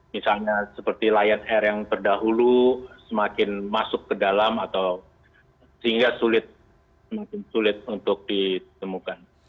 misalnya seperti lion air yang terdahulu semakin masuk ke dalam atau sehingga sulit semakin sulit untuk ditemukan